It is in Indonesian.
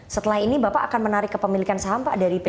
setelah ini bapak akan menarik kepemilikan saham pak dari ppk